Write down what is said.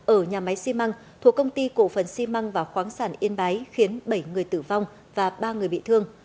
ở nhà máy xi măng thuộc công ty cổ phần xi măng và khoáng sản yên bái khiến bảy người tử vong và ba người bị thương